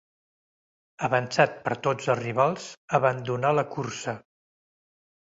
Avançat per tots els rivals, abandonà la cursa.